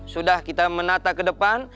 sudah kita menata ke depan